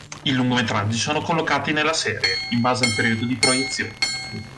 I lungometraggi sono collocati nella serie, in base al periodo di proiezione.